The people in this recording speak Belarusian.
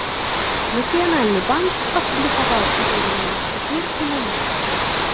Нацыянальны банк апублікаваў узоры новых купюр і манет.